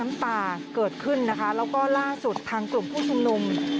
น้ำตาเกิดขึ้นนะคะแล้วก็ล่าสุดทางกลุ่มผู้ชุมนุม